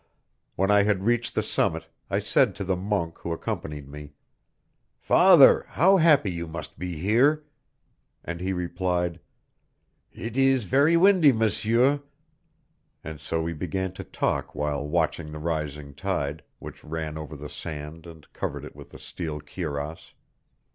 When I had reached the summit, I said to the monk who accompanied me: "Father, how happy you must be here!" And he replied: "It is very windy, Monsieur;" and so we began to talk while watching the rising tide, which ran over the sand and covered it with a steel cuirass.